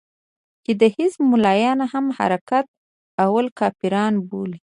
چې د حزب ملايان هم حرکت والا کافران بولي.